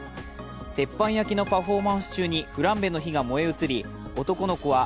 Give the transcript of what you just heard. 鉄板焼きのパフォーマンス中にフランベの火が燃え移り、男の子は